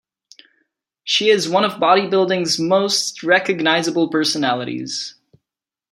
She is one of bodybuilding's most recognizable personalities.